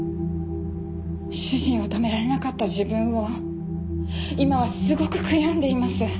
主人を止められなかった自分を今はすごく悔やんでいます。